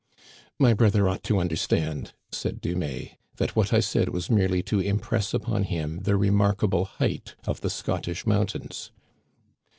"My brother ought to understand," said Dumais, " that what I said was merely to impress upon him the remarkable height of the Scottish mountains."